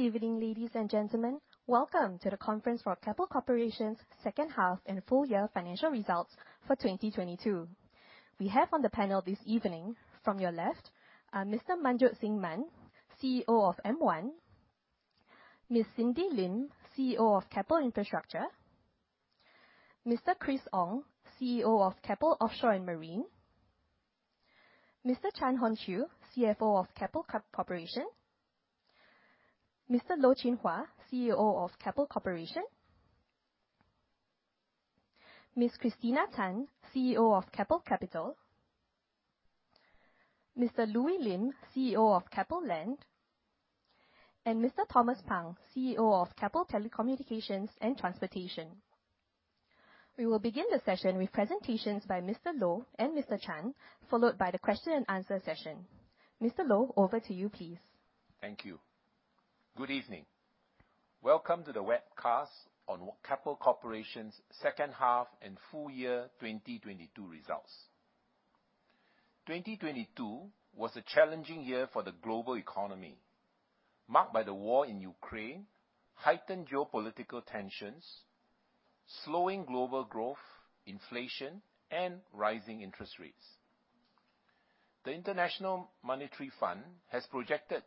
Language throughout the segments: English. Good evening, ladies and gentlemen. Welcome to the conference for Keppel Corporation's Second Half and Full Year Financial Results for 2022. We have on the panel this evening from your left are Mr. Manjot Singh Mann, CEO of M1. Ms. Cindy Lim, CEO of Keppel Infrastructure. Mr. Chris Ong, CEO of Keppel Offshore & Marine. Mr. Chan Hon Chew, CFO of Keppel Corporation. Mr. Loh Chin Hua, CEO of Keppel Corporation. Ms. Christina Tan, CEO of Keppel Capital. Mr. Louis Lim, CEO of Keppel Land. Mr. Thomas Pang, CEO of Keppel Telecommunications & Transportation. We will begin the session with presentations by Mr. Loh and Mr. Chan, followed by the question and answer session. Mr. Loh, over to you, please. Thank you. Good evening. Welcome to the webcast on Keppel Corporation's Second Half and Full Year 2022 Results. 2022 was a challenging year for the global economy, marked by the war in Ukraine, heightened geopolitical tensions, slowing global growth, inflation, and rising interest rates. The International Monetary Fund has projected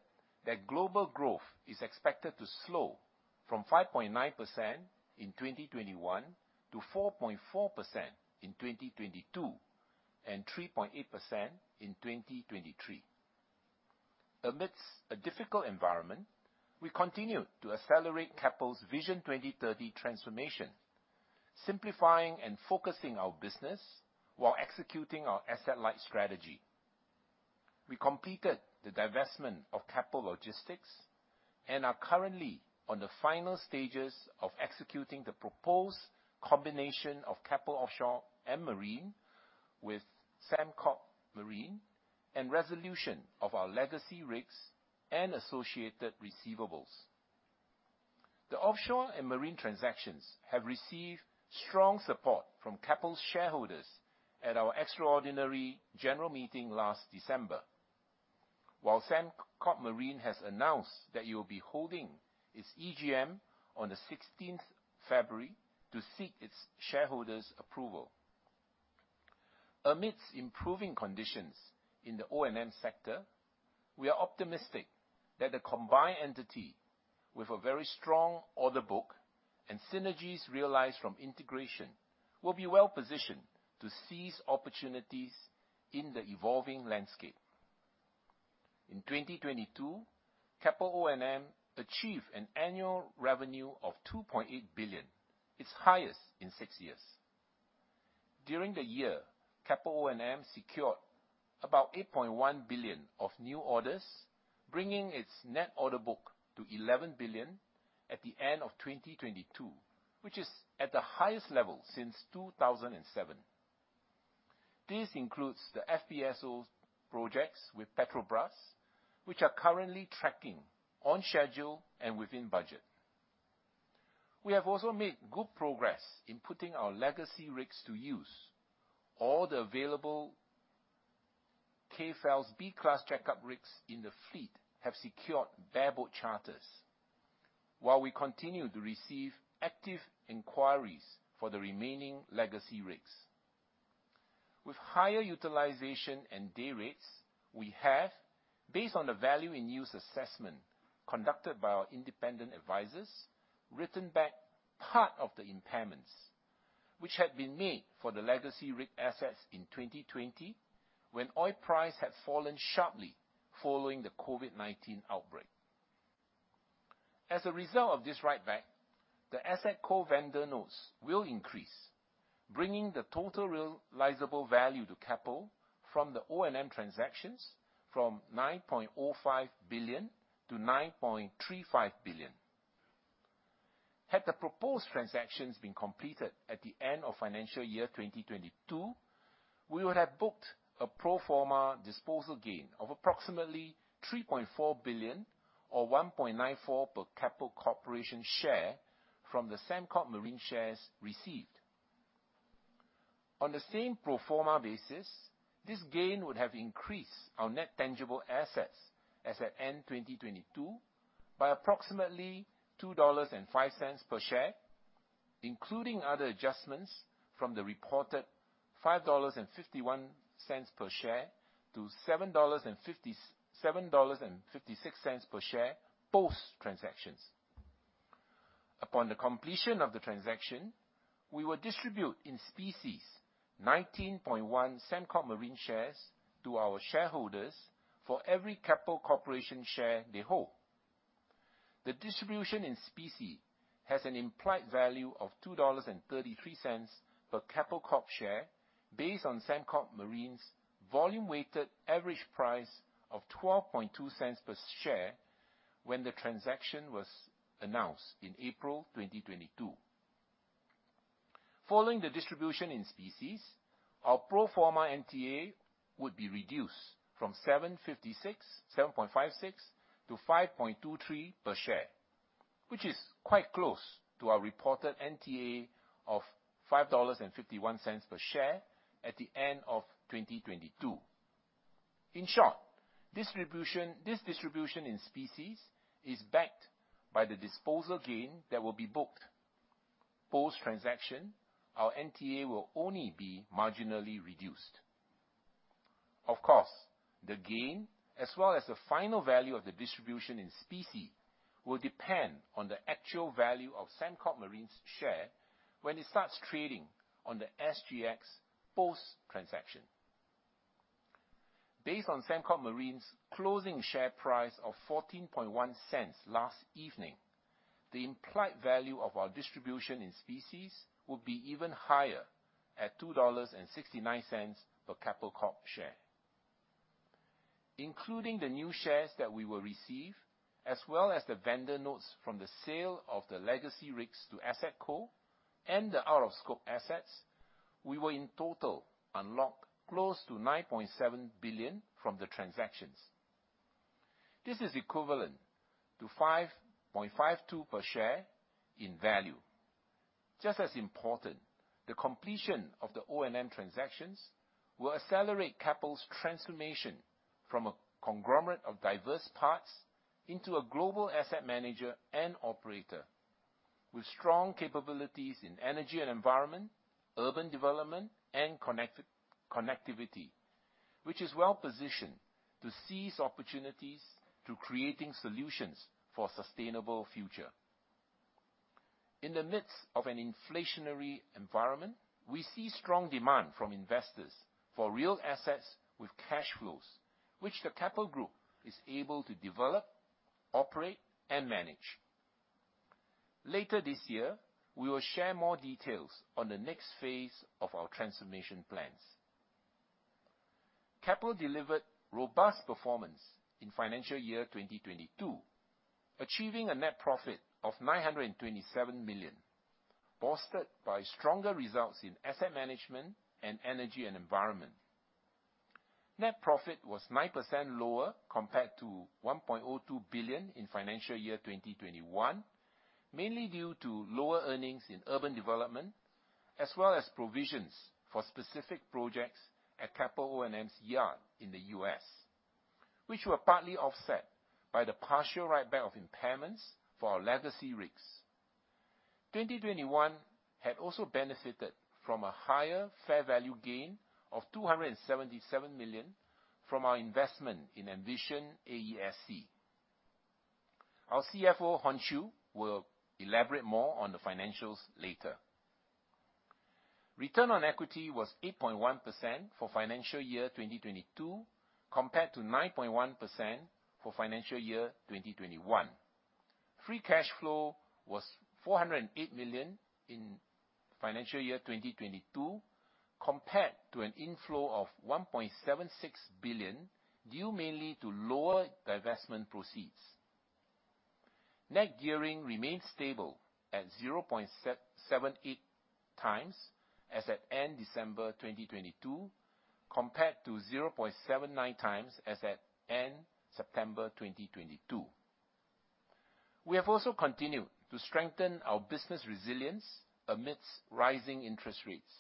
that global growth is expected to slow from 5.9% in 2021 to 4.4% in 2022, and 3.8% in 2023. Amidst a difficult environment, we continued to accelerate Keppel's Vision 2030 transformation, simplifying and focusing our business while executing our asset-light strategy. We completed the divestment of Keppel Logistics and are currently on the final stages of executing the proposed combination of Keppel Offshore & Marine with Sembcorp Marine and resolution of our legacy rigs and associated receivables. The Offshore and Marine transactions have received strong support from Keppel's shareholders at our extraordinary general meeting last December. Sembcorp Marine has announced that it will be holding its EGM on the 16th February to seek its shareholders approval. Amidst improving conditions in the O&M sector, we are optimistic that the combined entity with a very strong order book and synergies realized from integration will be well-positioned to seize opportunities in the evolving landscape. In 2022, Keppel O&M achieved an annual revenue of 2.8 billion, its highest in six years. During the year, Keppel O&M secured about 8.1 billion of new orders, bringing its net order book to 11 billion at the end of 2022, which is at the highest level since 2007. This includes the FPSO projects with Petrobras, which are currently tracking on schedule and within budget. We have also made good progress in putting our legacy rigs to use. All the available KFELS B-Class jack-up rigs in the fleet have secured bareboat charters while we continue to receive active inquiries for the remaining legacy rigs. With higher utilization and day rates, we have, based on the value-in-use assessment conducted by our independent advisors, written back part of the impairments which had been made for the legacy rig assets in 2020 when oil price had fallen sharply following the COVID-19 outbreak. As a result of this write back, the Asset Co vendor notes will increase, bringing the total realizable value to Keppel from the O&M transactions from 9.05 billion to 9.35 billion. Had the proposed transactions been completed at the end of financial year 2022, we would have booked a pro forma disposal gain of approximately 3.4 billion or 1.94 per Keppel Corporation share from the Sembcorp Marine shares received. On the same pro forma basis, this gain would have increased our net tangible assets as at end 2022 by approximately 2.05 dollars per share, including other adjustments from the reported 5.51 dollars per share to 7.56 dollars per share, post transactions. Upon the completion of the transaction, we will distribute in specie 19.1 Sembcorp Marine shares to our shareholders for every Keppel Corporation share they hold. The distribution in specie has an implied value of 2.33 dollars per Keppel Corp share based on Sembcorp Marine's volume-weighted average price of 0.122 per share when the transaction was announced in April 2022. Following the distribution in specie, our pro forma NTA would be reduced from 7.56 to 5.23 per share, which is quite close to our reported NTA of 5.51 dollars per share at the end of 2022. In short, this distribution in specie is backed by the disposal gain that will be booked. Post-transaction, our NTA will only be marginally reduced. Of course, the gain as well as the final value of the distribution in specie will depend on the actual value of Sembcorp Marine's share when it starts trading on the SGX post-transaction. Based on Sembcorp Marine's closing share price of 0.141 last evening, the implied value of our distribution in specie would be even higher at 2.69 dollars per Keppel Corp share. Including the new shares that we will receive, as well as the Asset Co vendor notes from the sale of the legacy rigs to Asset Co and the out-of-scope assets, we will in total unlock close to 9.7 billion from the transactions. This is equivalent to 5.52 per share in value. Just as important, the completion of the O&M transactions will accelerate Keppel's transformation from a conglomerate of diverse parts into a global asset manager and operator with strong capabilities in energy and environment, urban development, and connectivity, which is well-positioned to seize opportunities through creating solutions for a sustainable future. In the midst of an inflationary environment, we see strong demand from investors for real assets with cash flows, which the Keppel Group is able to develop, operate, and manage. Later this year, we will share more details on the next phase of our transformation plans. Keppel delivered robust performance in financial year 2022, achieving a net profit of 927 million, bolstered by stronger results in asset management and energy and environment. Net profit was 9% lower compared to 1.02 billion in financial year 2021, mainly due to lower earnings in urban development as well as provisions for specific projects at Keppel O&M's yard in the U.S., which were partly offset by the partial write-back of impairments for our legacy rigs. 2021 had also benefited from a higher fair value gain of 277 million from our investment in Envision AESC. Our CFO, Hon Chu, will elaborate more on the financials later. Return on equity was 8.1% for financial year 2022 compared to 9.1% for financial year 2021. Free cash flow was 408 million in financial year 2022 compared to an inflow of 1.76 billion, due mainly to lower divestment proceeds. Net gearing remained stable at 0.78 times as at end December 2022 compared to 0.79 times as at end September 2022. We have also continued to strengthen our business resilience amidst rising interest rates.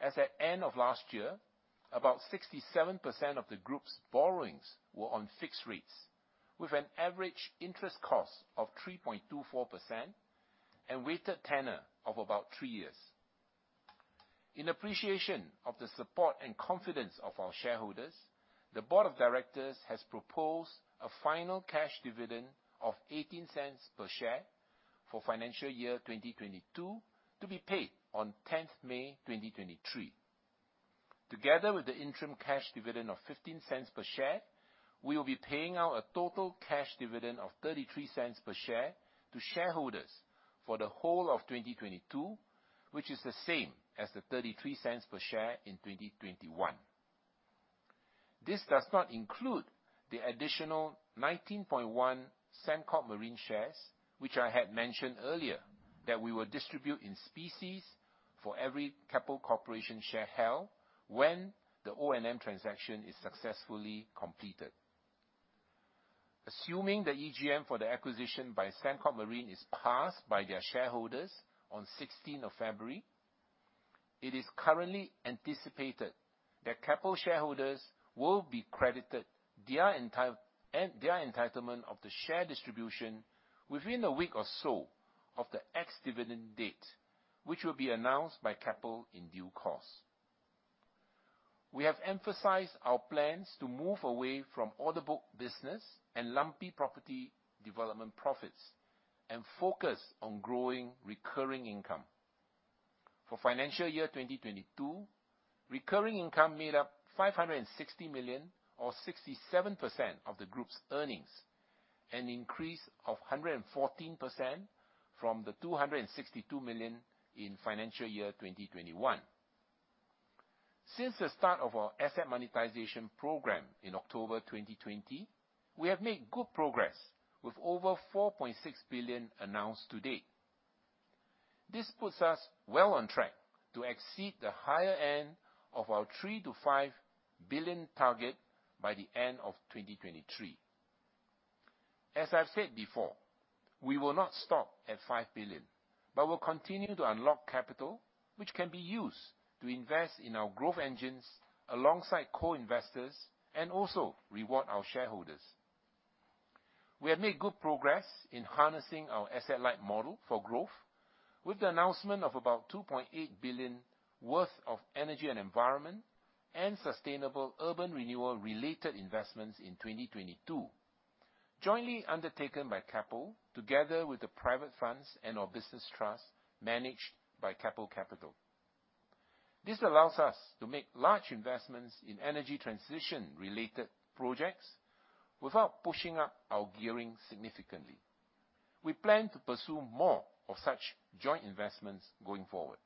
As at end of last year, about 67% of the group's borrowings were on fixed rates with an average interest cost of 3.24% and weighted tenor of about 3 years. In appreciation of the support and confidence of our shareholders, the board of directors has proposed a final cash dividend of 0.18 per share for financial year 2022 to be paid on May 10, 2023. Together with the interim cash dividend of 0.15 per share, we will be paying out a total cash dividend of 0.33 per share to shareholders for the whole of 2022, which is the same as the 0.33 per share in 2021. This does not include the additional 19.1 Sembcorp Marine shares, which I had mentioned earlier that we will distribute in specie for every Keppel Corporation share held when the O&M transaction is successfully completed. Assuming the EGM for the acquisition by Sembcorp Marine is passed by their shareholders on 16th of February, it is currently anticipated that Keppel shareholders will be credited their entire, their entitlement of the share distribution within a week or so of the ex-dividend date, which will be announced by Keppel in due course. We have emphasized our plans to move away from order book business and lumpy property development profits and focus on growing recurring income. For financial year 2022, recurring income made up 560 million or 67% of the group's earnings, an increase of 114% from the 262 million in financial year 2021. Since the start of our asset monetization program in October 2020, we have made good progress with over 4.6 billion announced to date. This puts us well on track to exceed the higher end of our 3 billion-5 billion target by the end of 2023. As I've said before, we will not stop at 5 billion, but we'll continue to unlock capital, which can be used to invest in our growth engines alongside co-investors and also reward our shareholders. We have made good progress in harnessing our asset-light model for growth with the announcement of about 2.8 billion worth of energy and environment and sustainable urban renewal-related investments in 2022, jointly undertaken by Keppel together with the private funds and our business trust managed by Keppel Capital. This allows us to make large investments in energy transition-related projects without pushing up our gearing significantly. We plan to pursue more of such joint investments going forward.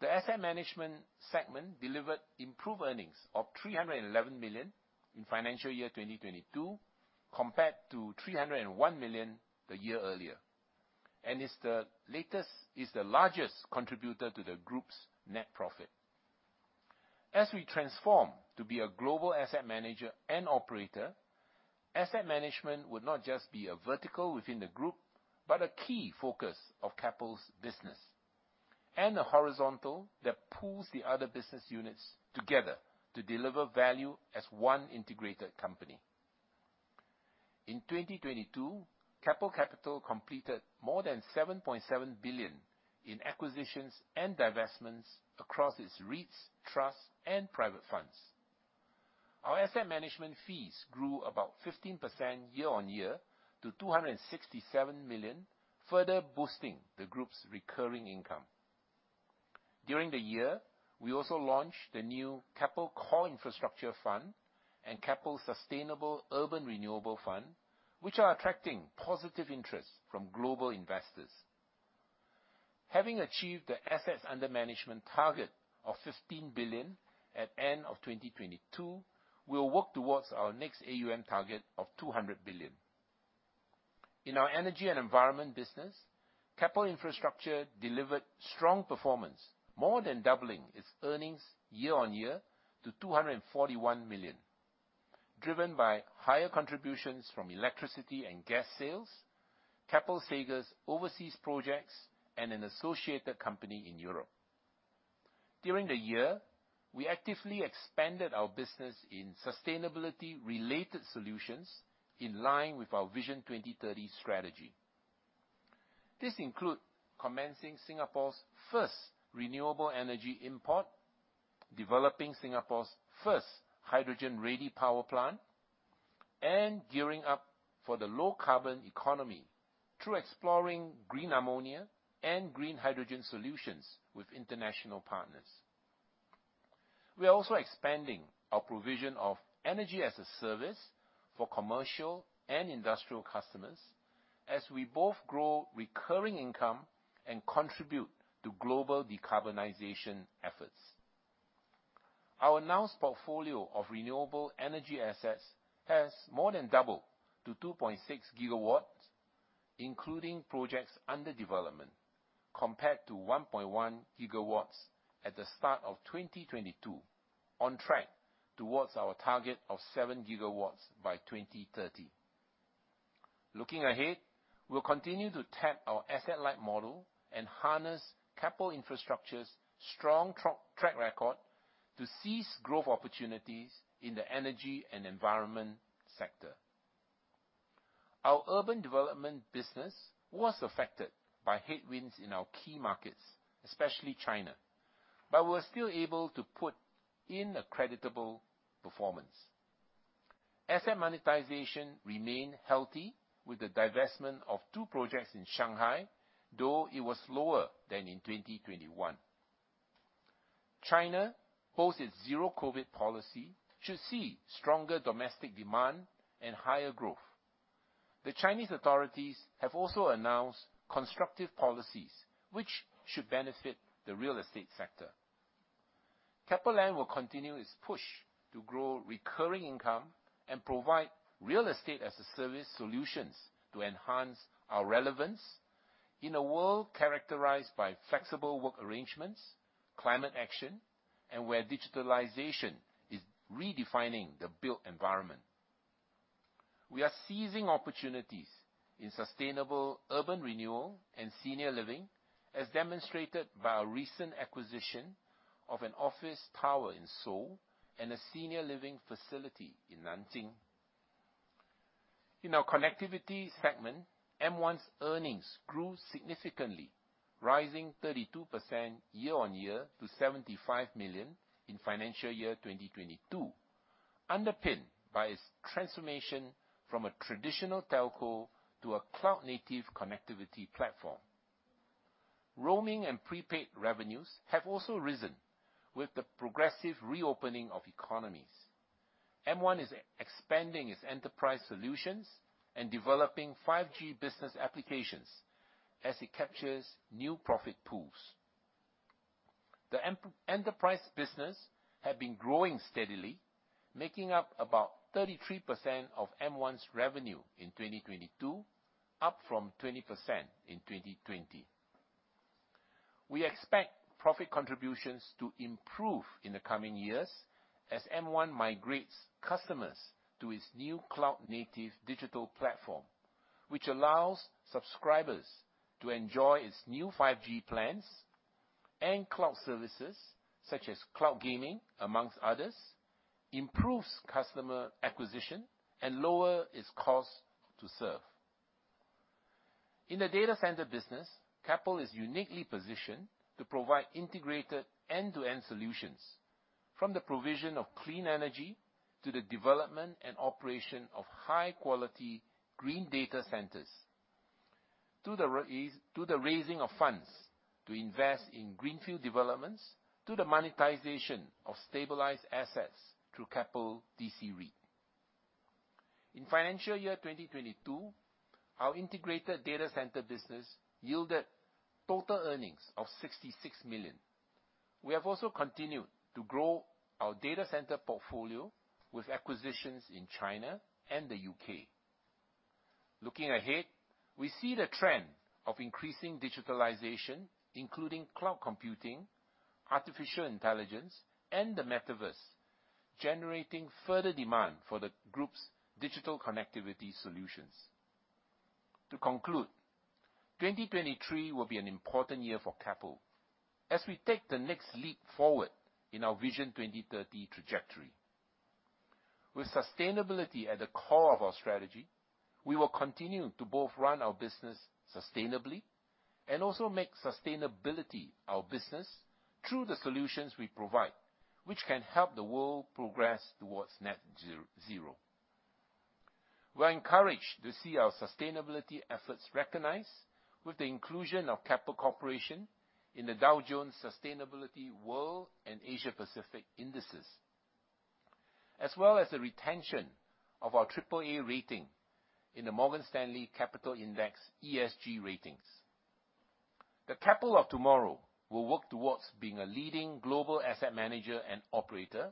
The asset management segment delivered improved earnings of 311 million in financial year 2022, compared to 301 million the year earlier, is the largest contributor to the group's net profit. As we transform to be a global asset manager and operator, asset management would not just be a vertical within the group, but a key focus of Keppel's business and a horizontal that pulls the other business units together to deliver value as one integrated company. In 2022, Keppel Capital completed more than 7.7 billion in acquisitions and divestments across its REITs, trusts, and private funds. Our asset management fees grew about 15% year-on-year to 267 million, further boosting the group's recurring income. During the year, we also launched the new Keppel Core Infrastructure Fund and Keppel Sustainable Urban Renewal Fund, which are attracting positive interest from global investors. Having achieved the assets under management target of 15 billion at end of 2022, we will work towards our next AUM target of 200 billion. In our energy and environment business, Keppel Infrastructure delivered strong performance, more than doubling its earnings year-on-year to 241 million, driven by higher contributions from electricity and gas sales, Keppel Seghers overseas projects, and an associated company in Europe. During the year, we actively expanded our business in sustainability-related solutions in line with our Vision 2030 strategy. This include commencing Singapore's first renewable energy import, developing Singapore's first hydrogen-ready power plant, and gearing up for the low carbon economy through exploring green ammonia and green hydrogen solutions with international partners. We are also expanding our provision of energy-as-a-service for commercial and industrial customers as we both grow recurring income and contribute to global decarbonization efforts. Our announced portfolio of renewable energy assets has more than doubled to 2.6 GW, including projects under development, compared to 1.1 GW at the start of 2022, on track towards our target of 7 GW by 2030. Looking ahead, we'll continue to tap our asset-light model and harness Keppel Infrastructure's strong track record to seize growth opportunities in the energy and environment sector. Our urban development business was affected by headwinds in our key markets, especially China, but we're still able to put in a creditable performance. Asset monetization remained healthy with the divestment of two projects in Shanghai, though it was slower than in 2021. China, post its zero COVID policy, should see stronger domestic demand and higher growth. The Chinese authorities have also announced constructive policies, which should benefit the real estate sector. Keppel Land will continue its push to grow recurring income and provide real estate as-a-service solutions to enhance our relevance in a world characterized by flexible work arrangements, climate action, and where digitalization is redefining the built environment. We are seizing opportunities in sustainable urban renewal and senior living, as demonstrated by our recent acquisition of an office tower in Seoul and a senior living facility in Nanjing. In our connectivity segment, M1's earnings grew significantly, rising 32% year-on-year to 75 million in financial year 2022, underpinned by its transformation from a traditional telco to a cloud-native connectivity platform. Roaming and prepaid revenues have also risen with the progressive reopening of economies. M1 is expanding its enterprise solutions and developing 5G business applications as it captures new profit pools. The enterprise business have been growing steadily, making up about 33% of M1's revenue in 2022, up from 20% in 2020. We expect profit contributions to improve in the coming years as M1 migrates customers to its new cloud-native digital platform, which allows subscribers to enjoy its new 5G plans and cloud services, such as cloud gaming, amongst others, improves customer acquisition, and lower its cost to serve. In the data center business, Keppel is uniquely positioned to provide integrated end-to-end solutions, from the provision of clean energy to the development and operation of high-quality green data centers, to the raising of funds to invest in greenfield developments, to the monetization of stabilized assets through Keppel DC REIT. In financial year 2022, our integrated data center business yielded total earnings of 66 million. We have also continued to grow our data center portfolio with acquisitions in China and the UK. Looking ahead, we see the trend of increasing digitalization, including cloud computing, artificial intelligence, and the metaverse, generating further demand for the group's digital connectivity solutions. To conclude, 2023 will be an important year for Keppel as we take the next leap forward in our Vision 2030 trajectory. With sustainability at the core of our strategy, we will continue to both run our business sustainably and also make sustainability our business through the solutions we provide, which can help the world progress towards net zero. We're encouraged to see our sustainability efforts recognized with the inclusion of Keppel Corporation in the Dow Jones Sustainability World and Asia Pacific Indices, as well as the retention of our triple A rating in the Morgan Stanley Capital Index ESG ratings. The Keppel of tomorrow will work towards being a leading global asset manager and operator,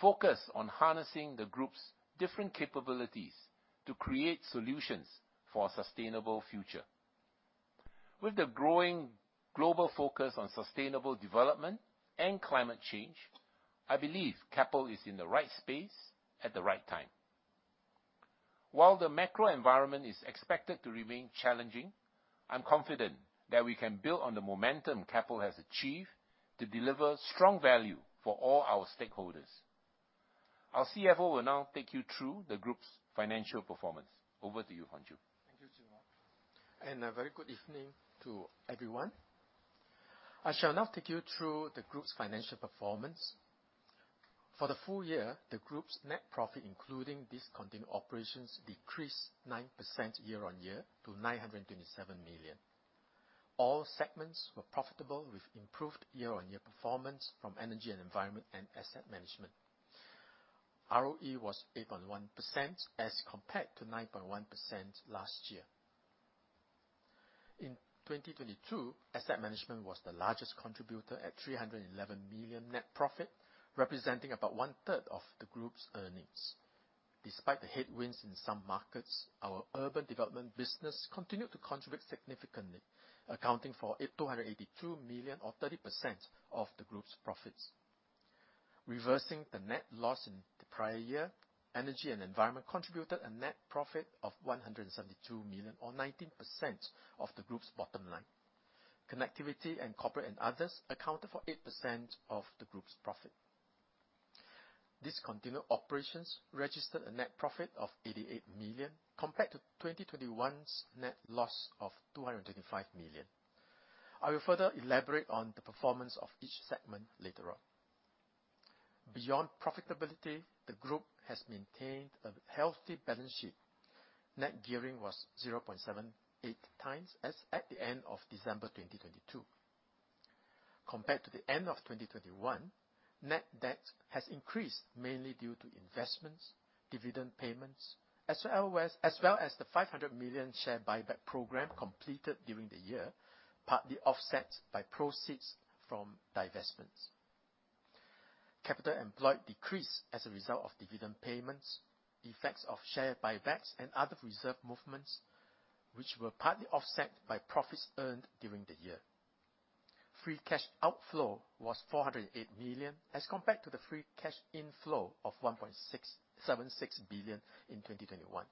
focused on harnessing the group's different capabilities to create solutions for a sustainable future. With the growing global focus on sustainable development and climate change, I believe Keppel is in the right space at the right time. While the macro environment is expected to remain challenging, I'm confident that we can build on the momentum Keppel has achieved to deliver strong value for all our stakeholders. Our CFO will now take you through the group's financial performance. Over to you, Hon Chew. Thank you, Chin Hua. A very good evening to everyone. I shall now take you through the group's financial performance. For the full year, the group's net profit, including discontinued operations, decreased 9% year-on-year to 927 million. All segments were profitable with improved year-on-year performance from energy and environment and asset management. ROE was 8.1% as compared to 9.1% last year. In 2022, asset management was the largest contributor at 311 million net profit, representing about one-third of the group's earnings. Despite the headwinds in some markets, our urban development business continued to contribute significantly, accounting for 282 million or 30% of the group's profits. Reversing the net loss in the prior year, energy and environment contributed a net profit of 172 million, or 19% of the group's bottom line. Connectivity and corporate and others accounted for 8% of the group's profit. Discontinued operations registered a net profit of 88 million compared to 2021's net loss of 225 million. I will further elaborate on the performance of each segment later on. Beyond profitability, the group has maintained a healthy balance sheet. Net gearing was 0.78 times as at the end of December 2022. Compared to the end of 2021, net debt has increased mainly due to investments, dividend payments, as well as the 500 million share buyback program completed during the year, partly offset by proceeds from divestments. Capital employed decreased as a result of dividend payments, effects of share buybacks and other reserve movements, which were partly offset by profits earned during the year. Free cash outflow was 408 million as compared to the free cash inflow of 1.76 billion in 2021.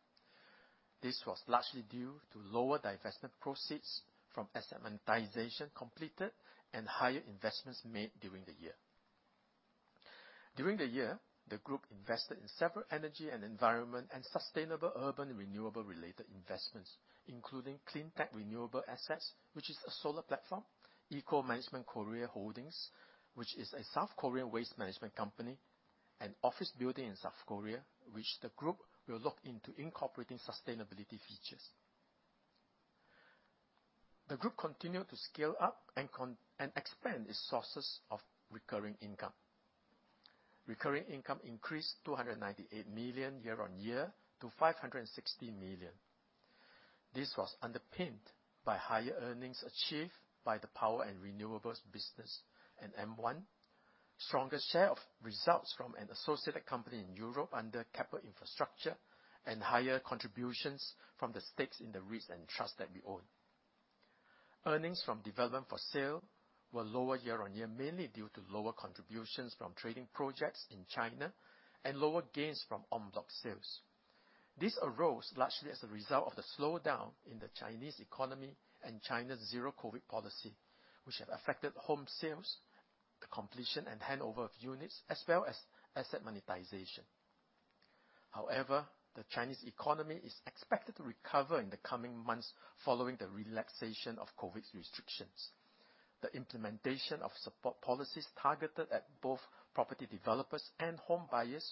This was largely due to lower divestment proceeds from asset monetization completed and higher investments made during the year. During the year, the group invested in several energy and environment and sustainable urban renewal-related investments, including CleanTech Renewable Assets, which is a solar platform, Eco Management Korea Holdings, which is a South Korean waste management company, and office building in South Korea, which the group will look into incorporating sustainability features. The group continued to scale up and expand its sources of recurring income. Recurring income increased 298 million year-on-year to 560 million. This was underpinned by higher earnings achieved by the power and renewables business in M1. Stronger share of results from an associated company in Europe under Keppel Infrastructure, and higher contributions from the stakes in the REITs and trusts that we own. Earnings from development for sale were lower year-on-year, mainly due to lower contributions from trading projects in China and lower gains from en bloc sales. This arose largely as a result of the slowdown in the Chinese economy and China's zero COVID policy, which have affected home sales, the completion and handover of units, as well as asset monetization. The Chinese economy is expected to recover in the coming months following the relaxation of COVID's restrictions. The implementation of support policies targeted at both property developers and home buyers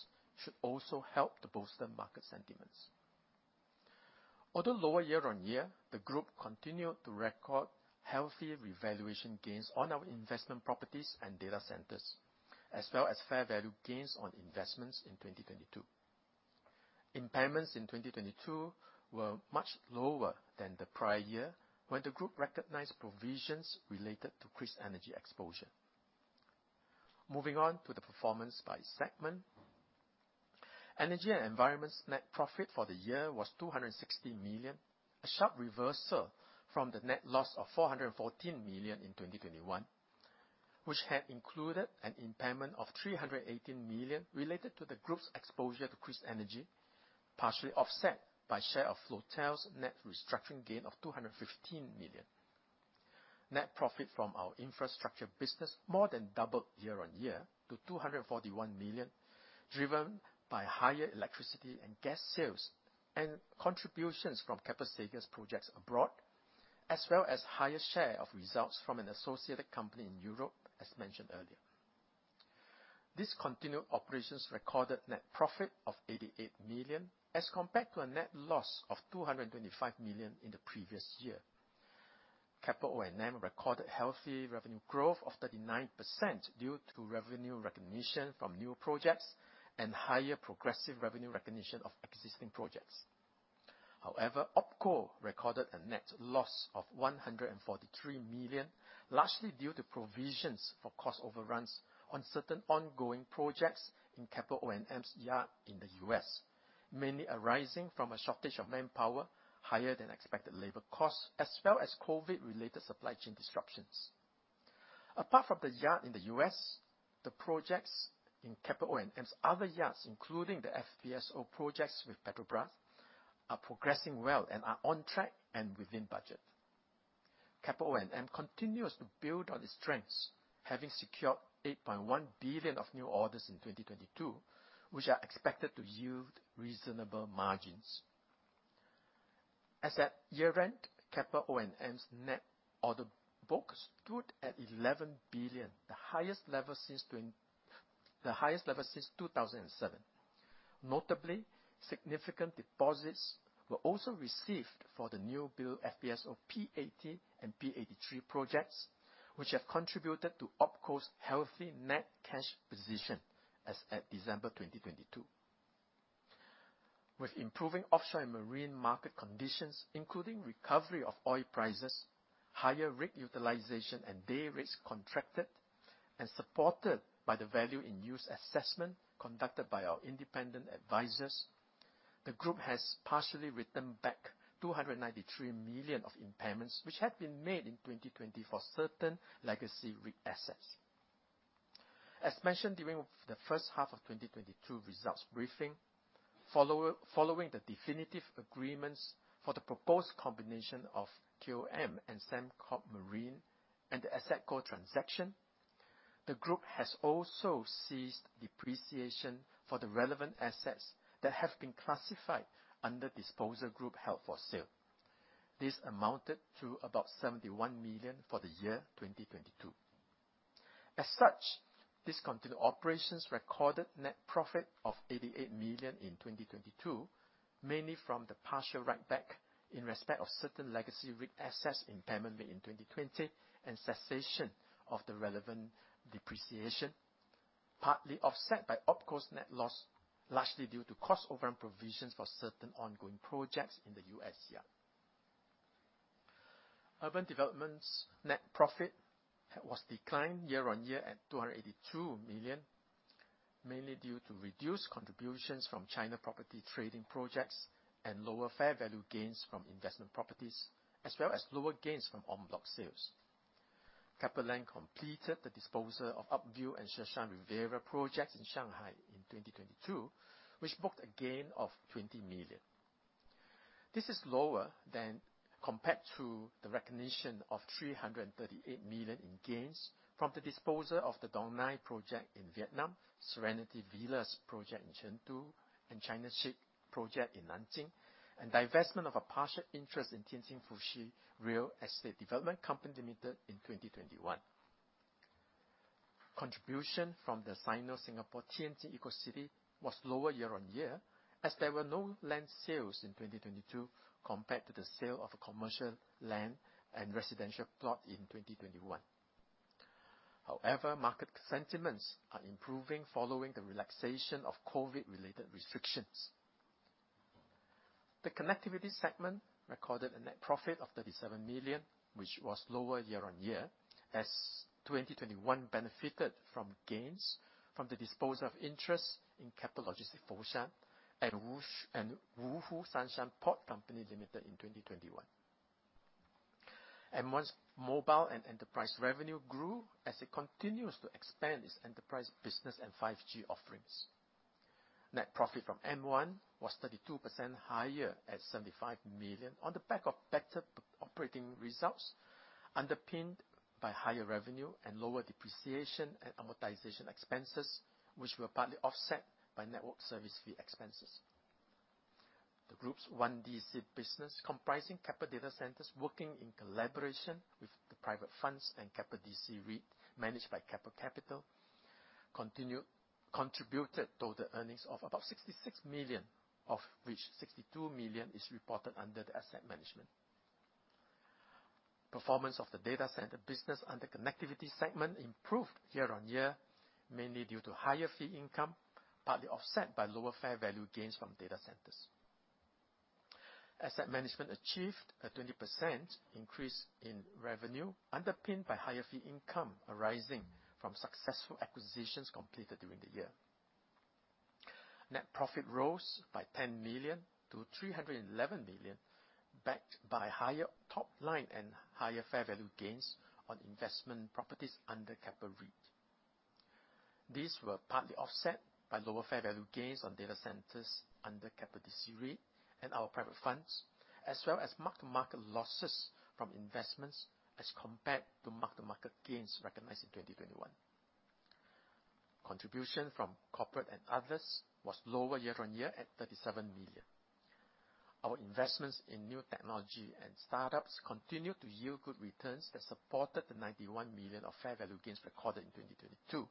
should also help to bolster market sentiments. Although lower year on year, the group continued to record healthy revaluation gains on our investment properties and data centers, as well as fair value gains on investments in 2022. Impairments in 2022 were much lower than the prior year, when the group recognized provisions related to KrisEnergy exposure. Moving on to the performance by segment. Energy and Environment's net profit for the year was 260 million, a sharp reversal from the net loss of 414 million in 2021, which had included an impairment of 318 million related to the group's exposure to KrisEnergy, partially offset by share of Floatel's net restructuring gain of 215 million. Net profit from our infrastructure business more than doubled year-on-year to 241 million, driven by higher electricity and gas sales and contributions from Keppel Seghers projects abroad, as well as higher share of results from an associated company in Europe, as mentioned earlier. Discontinued operations recorded net profit of 88 million, as compared to a net loss of 225 million in the previous year. Keppel O&M recorded healthy revenue growth of 39% due to revenue recognition from new projects and higher progressive revenue recognition of existing projects. OpCo recorded a net loss of 143 million, largely due to provisions for cost overruns on certain ongoing projects in Keppel O&M's yard in the U.S., mainly arising from a shortage of manpower, higher than expected labor costs, as well as COVID-related supply chain disruptions. Apart from the yard in the U.S., the projects in Keppel O&M's other yards, including the FPSO projects with Petrobras, are progressing well and are on track and within budget. Keppel O&M continues to build on its strengths, having secured 8.1 billion of new orders in 2022, which are expected to yield reasonable margins. As at year-end, Keppel O&M's net order book stood at 11 billion, the highest level since 2007. Notably, significant deposits were also received for the new build FPSO P-80 and P-83 projects, which have contributed to OpCo's healthy net cash position as at December 2022. With improving offshore marine market conditions, including recovery of oil prices, higher rig utilization and day rates contracted and supported by the value-in-use assessment conducted by our independent advisors. The group has partially written back 293 million of impairments which had been made in 2020 for certain legacy rig assets. As mentioned during the first half of 2022 results briefing, following the definitive agreements for the proposed combination of KOM and Sembcorp Marine and the Asset Co transaction, the group has also ceased depreciation for the relevant assets that have been classified under disposal group held for sale. This amounted to about 71 million for the year 2022. Discontinued operations recorded net profit of 88 million in 2022, mainly from the partial write back in respect of certain legacy rig assets impairment made in 2020 and cessation of the relevant depreciation, partly offset by OpCo's net loss, largely due to cost overrun provisions for certain ongoing projects in the U.S. yard. Urban Development's net profit was declined year on year at 282 million, mainly due to reduced contributions from China property trading projects and lower fair value gains from investment properties, as well as lower gains from en bloc sales. Keppel Land completed the disposal of UpView and Sheshan Riviera projects in Shanghai in 2022, which booked a gain of 20 million. This is lower than compared to the recognition of 338 million in gains from the disposal of the Dong Nai project in Vietnam, Serenity Villas project in Chengdu, and China Ship project in Nanjing, and divestment of a partial interest in Tianjin Eco-City Fucai Real Estate Development Company Limited in 2021. Contribution from the Sino-Singapore Tianjin Eco-City was lower year-on-year as there were no land sales in 2022 compared to the sale of a commercial land and residential plot in 2021. Market sentiments are improving following the relaxation of COVID-related restrictions. The connectivity segment recorded a net profit of 37 million, which was lower year-on-year, as 2021 benefited from gains from the disposal of interest in Keppel Logistics (Foshan) and Wuhu Sanshan Port Company Limited in 2021. M1's mobile and enterprise revenue grew as it continues to expand its enterprise business and 5G offerings. Net profit from M1 was 32% higher at 75 million on the back of better operating results, underpinned by higher revenue and lower depreciation and amortization expenses, which were partly offset by network service fee expenses. The group's DC business, comprising Keppel data centers working in collaboration with the private funds and Keppel DC REIT managed by Keppel Capital, contributed to the earnings of about 66 million, of which 62 million is reported under the asset management. Performance of the data center business under connectivity segment improved year-on-year, mainly due to higher fee income, partly offset by lower fair value gains from data centers. Asset management achieved a 20% increase in revenue, underpinned by higher fee income arising from successful acquisitions completed during the year. Net profit rose by 10 million to 311 million, backed by higher top line and higher fair value gains on investment properties under Keppel REIT. These were partly offset by lower fair value gains on data centers under Keppel DC REIT and our private funds, as well as mark-to-market losses from investments as compared to mark-to-market gains recognized in 2021. Contribution from corporate and others was lower year-on-year at 37 million. Our investments in new technology and start-ups continue to yield good returns that supported the 91 million of fair value gains recorded in 2022,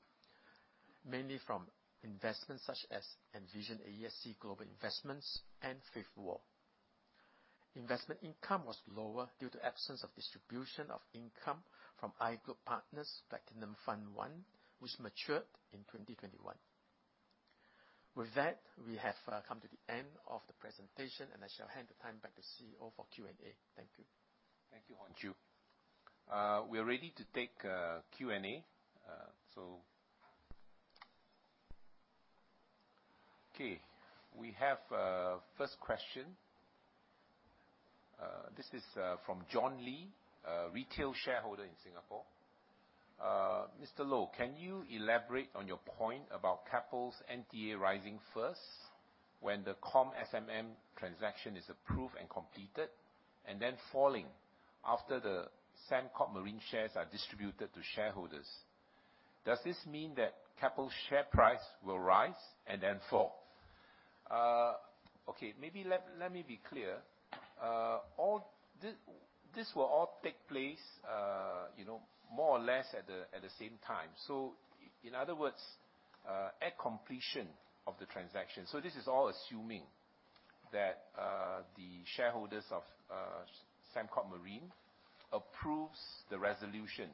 mainly from investments such as Envision AESC and Fifth Wall. Investment income was lower due to absence of distribution of income from iGlobe Partners Platinum Fund I, which matured in 2021. With that, we have come to the end of the presentation, and I shall hand the time back to CEO for Q&A. Thank you. Thank you, Hon Chew. We are ready to take Q&A. Okay, we have first question. This is from John Lee, a retail shareholder in Singapore. Mr. Loh, can you elaborate on your point about Keppel's NTA rising first when the KOM Sembcorp Marine transaction is approved and completed, and then falling after the Sembcorp Marine shares are distributed to shareholders? Does this mean that Keppel's share price will rise and then fall? Okay. Maybe let me be clear. All this will all take place, you know, more or less at the same time. In other words, at completion of the transaction, this is all assuming that the shareholders of Sembcorp Marine approves the resolution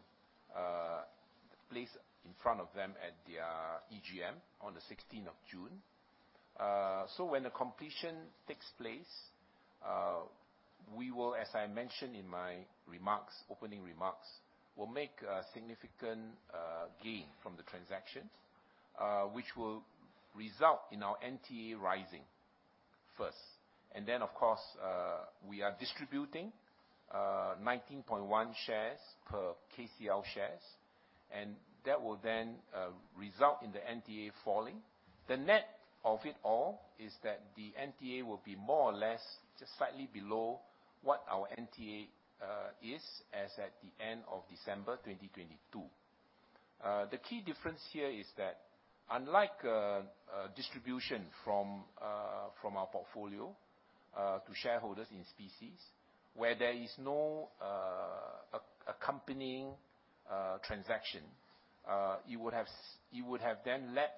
placed in front of them at their EGM on the 16th of June. When the completion takes place, we will, as I mentioned in my remarks, opening remarks, will make a significant gain from the transaction, which will result in our NTA rising first. Of course, we are distributing 19.1 shares per KCL shares, and that will then result in the NTA falling. The net of it all is that the NTA will be more or less just slightly below what our NTA is as at the end of December 2022. The key difference here is that unlike distribution from our portfolio to shareholders in specie, where there is no accompanying transaction, it would have then led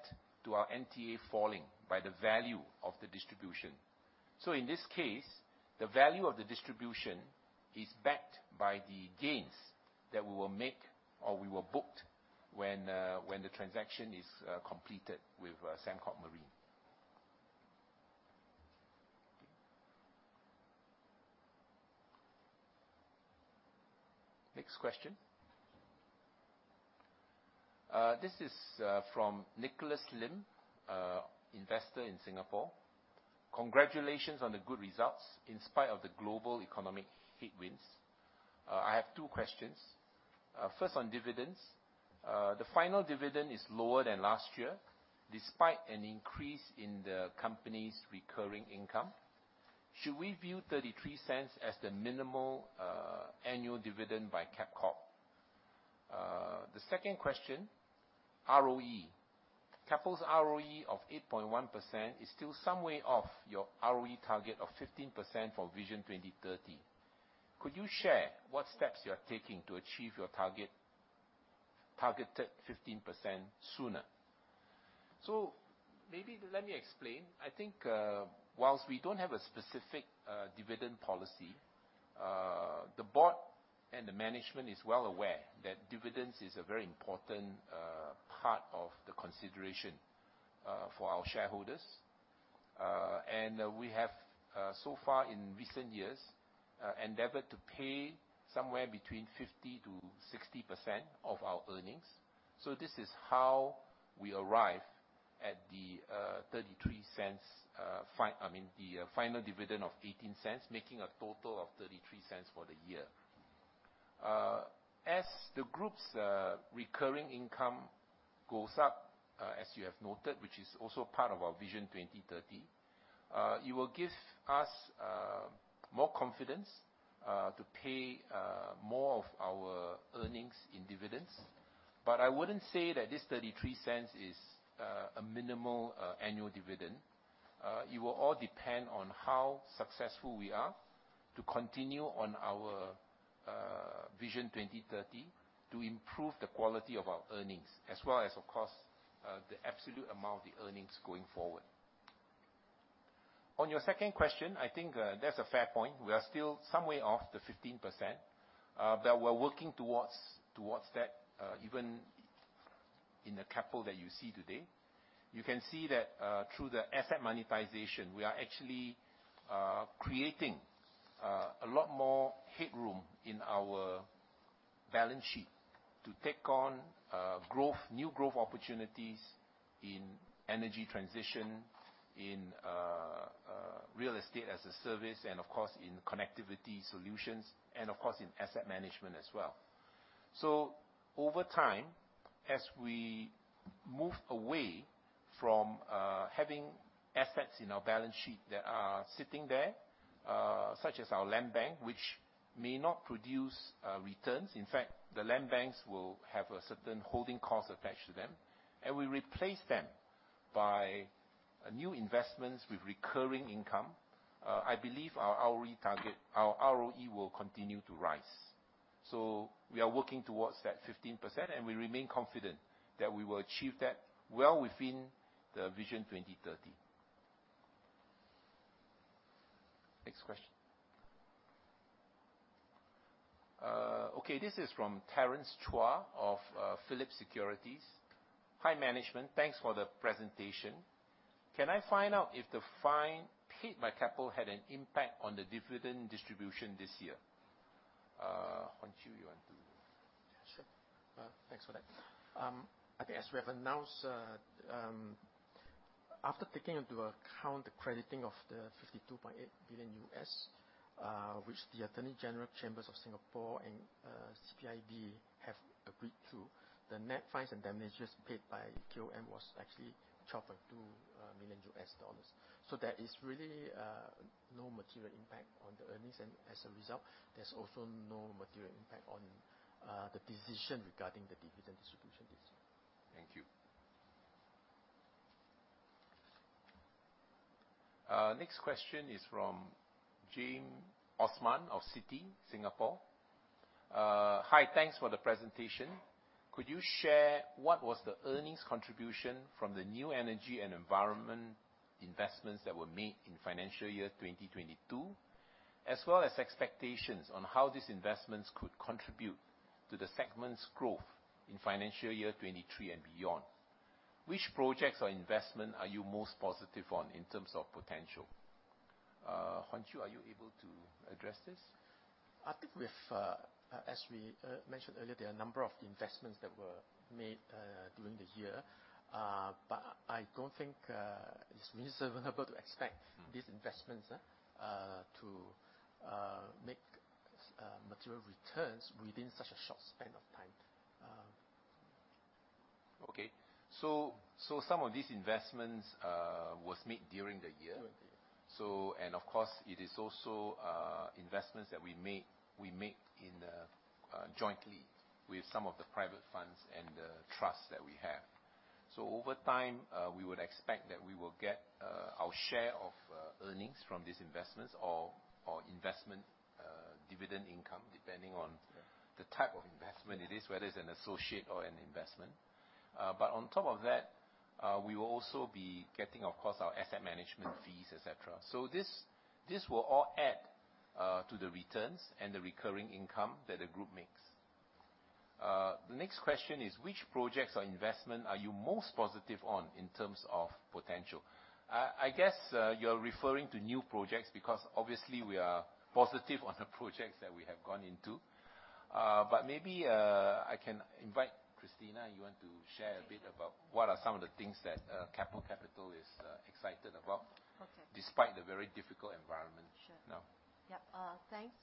to our NTA falling by the value of the distribution. In this case, the value of the distribution is backed by the gains that we will make or we were booked when the transaction is completed with Sembcorp Marine. Next question. This is from Nicholas Lim, investor in Singapore. Congratulations on the good results in spite of the global economic headwinds. I have two questions. First on dividends. The final dividend is lower than last year despite an increase in the company's recurring income. Should we view 0.33 as the minimal annual dividend by Keppel Corp? The second question, ROE. Keppel's ROE of 8.1% is still some way off your ROE target of 15% for Vision 2030. Could you share what steps you are taking to achieve your target, targeted 15% sooner? Maybe let me explain. I think, whilst we don't have a specific dividend policy, the board and the management is well aware that dividends is a very important part of the consideration for our shareholders. We have so far in recent years endeavored to pay somewhere between 50% to 60% of our earnings. This is how we arrive at the 0.33, I mean, the final dividend of 0.18, making a total of 0.33 for the year. As the group's recurring income goes up, as you have noted, which is also part of our Vision 2030, it will give us more confidence to pay more of our earnings in dividends. I wouldn't say that this 0.33 is a minimal annual dividend. It will all depend on how successful we are to continue on our Vision 2030 to improve the quality of our earnings as well as, of course, the absolute amount of the earnings going forward. On your second question, I think, that's a fair point. We are still some way off the 15%, but we're working towards that even in the Keppel that you see today. You can see that through the asset monetization, we are actually creating a lot more headroom in our balance sheet to take on growth, new growth opportunities in energy transition, in real estate as-a-service and of course, in connectivity solutions and of course, in asset management as well. Over time, as we move away from having assets in our balance sheet that are sitting there, such as our land bank, which may not produce returns, in fact, the land banks will have a certain holding cost attached to them, and we replace them by new investments with recurring income, I believe our ROE target, our ROE will continue to rise. We are working towards that 15%, and we remain confident that we will achieve that well within the Vision 2030. Next question. Okay, this is from Terence Chua of Phillip Securities. "Hi, management. Thanks for the presentation. Can I find out if the fine paid by Keppel had an impact on the dividend distribution this year?" Hon Chew, you want to? Thanks for that. I think as we have announced, after taking into account the crediting of the $52.8 billion, which the Attorney-General's Chambers of Singapore and CPIB have agreed to, the net fines and damages paid by KOM was actually $12.2 million. There is really no material impact on the earnings, and as a result, there's also no material impact on the decision regarding the dividend distribution this year. Thank you. Next question is from James Osman of Citi Singapore. "Hi, thanks for the presentation. Could you share what was the earnings contribution from the new energy and environment investments that were made in financial year 2022, as well as expectations on how these investments could contribute to the segment's growth in financial year 2023 and beyond? Which projects or investment are you most positive on in terms of potential?" Hon Chew, are you able to address this? I think we've, as we mentioned earlier, there are a number of investments that were made, during the year. I don't think it's reasonable to expect- Mm. these investments to make material returns within such a short span of time. Some of these investments was made during the year. During the year. Of course, it is also investments that we make in the jointly with some of the private funds and the trusts that we have. Over time, we would expect that we will get our share of earnings from these investments or investment dividend income. Yeah. The type of investment it is, whether it's an associate or an investment. On top of that, we will also be getting, of course, our asset management fees, et cetera. This will all add to the returns and the recurring income that the group makes. The next question is which projects or investment are you most positive on in terms of potential? I guess, you're referring to new projects because obviously we are positive on the projects that we have gone into. Maybe, I can invite Christina, you want to share a bit about what are some of the things that Keppel Capital is excited about. Okay. despite the very difficult environment now? Sure. Yeah. Thanks.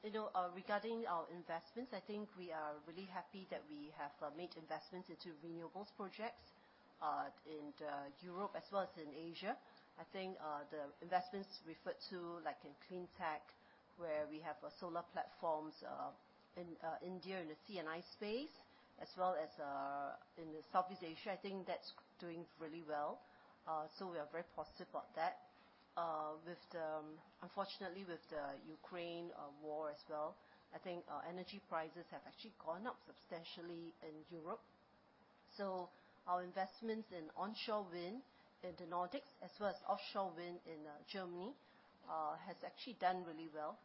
You know, regarding our investments, I think we are really happy that we have made investments into renewables projects, in Europe as well as in Asia. I think the investments referred to, like in Cleantech, where we have solar platforms, in India in the C&I space, as well as in Southeast Asia, I think that's doing really well. We are very positive about that. With the, unfortunately, with the Ukraine war as well, I think energy prices have actually gone up substantially in Europe. Our investments in onshore wind in the Nordics, as well as offshore wind in Germany, has actually done really well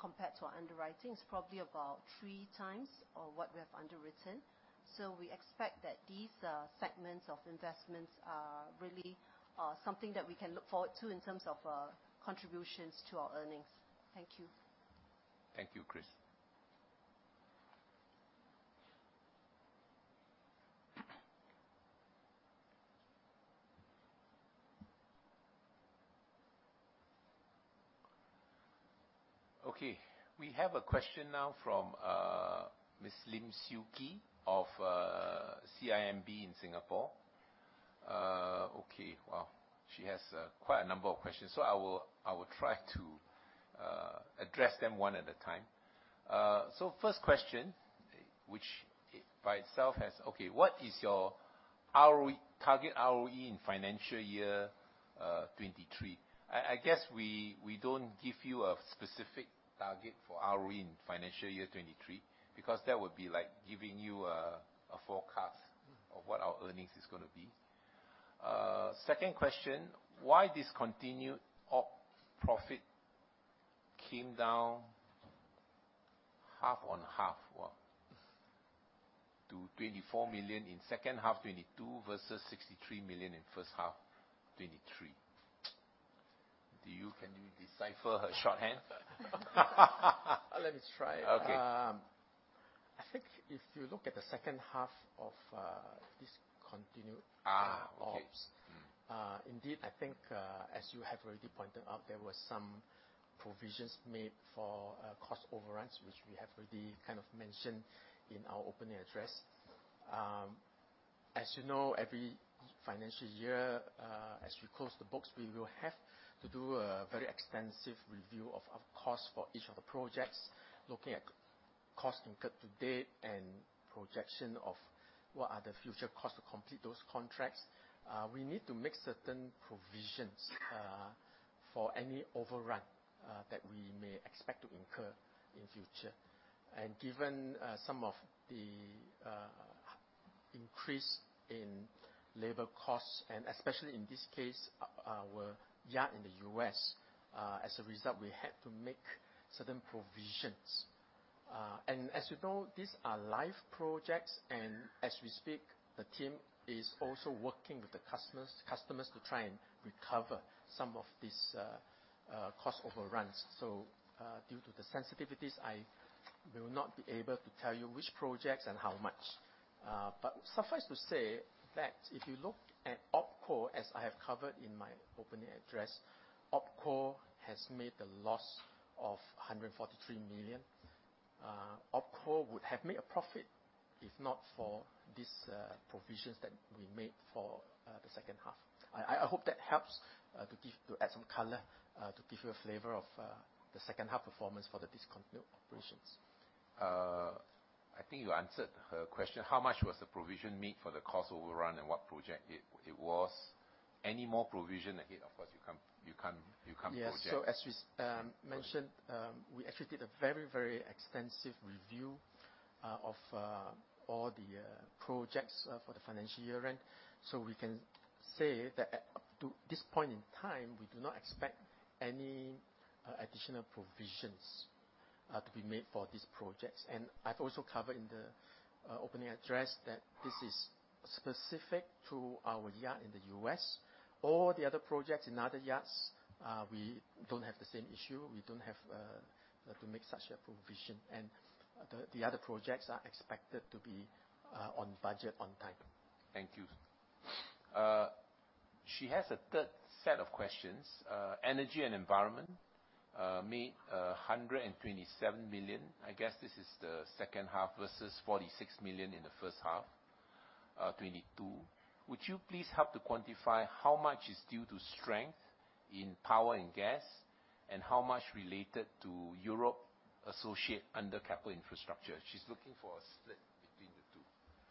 compared to our underwriting. It's probably about three times of what we have underwritten. We expect that these segments of investments are really something that we can look forward to in terms of contributions to our earnings. Thank you. Thank you, Chris. We have a question now from Ms. Lim Siew Ki of CIMB in Singapore. Wow. She has quite a number of questions. I will try to address them one at a time. First question, what is your ROE, target ROE in financial year 2023? I guess we don't give you a specific target for ROE in financial year 2023, because that would be like giving you a forecast. Mm-hmm. of what our earnings is gonna be. Second question, why discontinued op profit came down half-on-half, wow, to 24 million in second half 2022 versus 63 million in first half 2023? Can you decipher her shorthand? Let me try. Okay. I think if you look at the second half of. Okay. -ops. Mm. Indeed, I think, as you have already pointed out, there were some provisions made for cost overruns, which we have already mentioned in our opening address. As you know, every financial year, as we close the books, we will have to do a very extensive review of cost for each of the projects, looking at cost incurred to date and projection of what are the future costs to complete those contracts. We need to make certain provisions for any overrun that we may expect to incur in future. Given some of the increase in labor costs, and especially in this case, our yard in the U.S., as a result, we had to make certain provisions. As you know, these are live projects, and as we speak, the team is also working with the customers to try and recover some of these cost overruns. Due to the sensitivities, I will not be able to tell you which projects and how much. Suffice to say that if you look at OpCo, as I have covered in my opening address, OpCo has made a loss of 143 million. OpCo would have made a profit if not for these provisions that we made for the second half. I hope that helps to give, to add some color, to give you a flavor of the second half performance for the discontinued operations. I think you answered her question, how much was the provision made for the cost overrun and what project it was. Any more provision ahead? Of course you can't project. Yes. As we mentioned, we actually did a very, very extensive review of all the projects for the financial year end. We can say that at, up to this point in time, we do not expect any additional provisions to be made for these projects. I've also covered in the opening address that this is specific to our yard in the U.S. All the other projects in other yards, we don't have the same issue. We don't have to make such a provision. The other projects are expected to be on budget, on time. Thank you. She has a third set of questions. Energy and environment, made 127 million. I guess this is the second half, versus 46 million in the first half, 2022. Would you please help to quantify how much is due to strength in power and gas, and how much related to Europe associate under Keppel Infrastructure? She's looking for a split between the two.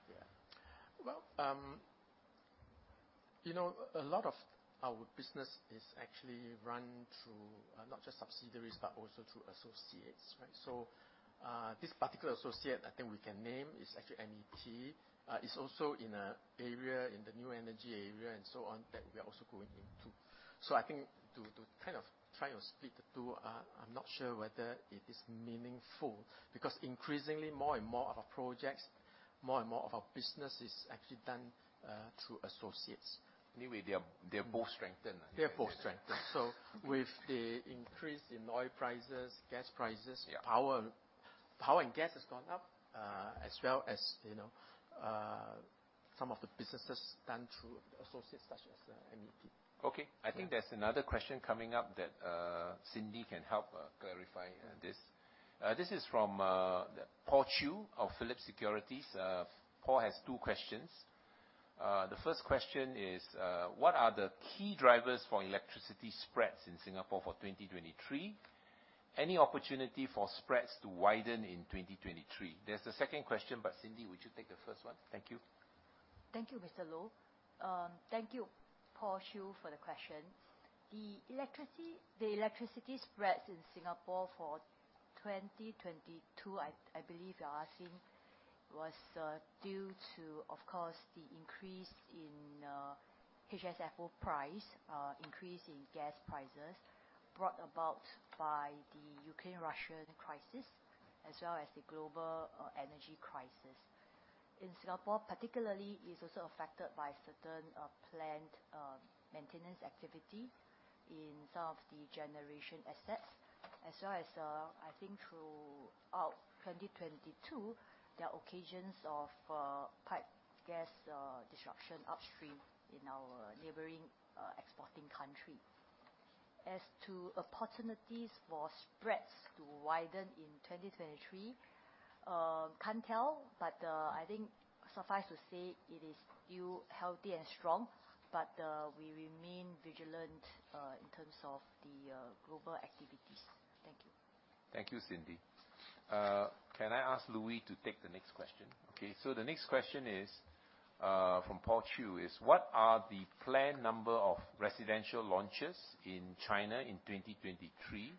Yeah. Well, you know, a lot of our business is actually run through not just subsidiaries, but also through associates, right? This particular associate, I think we can name, is actually NET. It's also in a area, in the new energy area and so on, that we are also going into. I think to kind of try to split the two, I'm not sure whether it is meaningful, because increasingly more and more of our projects, more and more of our business is actually done through associates. They're both strengthened. They're both strengthened. With the increase in oil prices, gas prices... Yeah. power and gas has gone up, as well as, you know, some of the businesses done through associates such as, NET. Okay. Yeah. I think there's another question coming up that Cindy can help clarify this. This is from Paul Chew of Phillip Securities. Paul has 2 questions. The 1st question is, what are the key drivers for electricity spreads in Singapore for 2023? Any opportunity for spreads to widen in 2023? There's a second question, Cindy, would you take the first one? Thank you. Thank you, Mr. Loh. Thank you, Paul Chew, for the question. The electricity spreads in Singapore 2022, I believe you're asking, was due to, of course, the increase in HSFO price, increase in gas prices brought about by the Ukraine-Russia crisis, as well as the global energy crisis. In Singapore particularly, it's also affected by certain plant maintenance activity in some of the generation assets, as well as, I think throughout 2022, there were occasions of pipe gas disruption upstream in our neighboring exporting country. As to opportunities for spreads to widen in 2023, can't tell, but I think suffice to say it is still healthy and strong. We remain vigilant in terms of the global activities. Thank you. Thank you, Cindy. Can I ask Louis to take the next question? Okay. The next question is from Paul Chew, is what are the planned number of residential launches in China in 2023?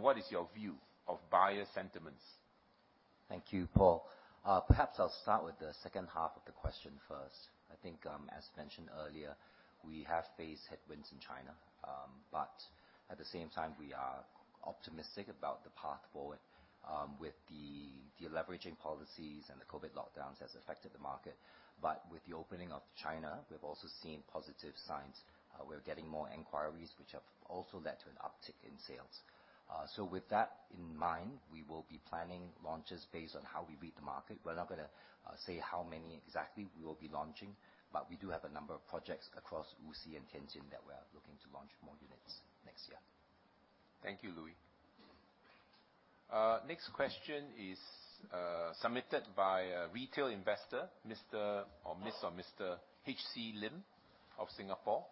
What is your view of buyer sentiments? Thank you, Paul. Perhaps I'll start with the second half of the question first. I think, as mentioned earlier, we have faced headwinds in China. At the same time, we are optimistic about the path forward, with the deleveraging policies and the COVID lockdowns has affected the market. With the opening of China, we've also seen positive signs. We're getting more inquiries, which have also led to an uptick in sales. With that in mind, we will be planning launches based on how we read the market. We're not gonna say how many exactly we will be launching, but we do have a number of projects across Wuxi and Tianjin that we are looking to launch more units next year. Thank you, Louis. Next question is submitted by a retail investor, Mr. or Ms. HC Lim of Singapore.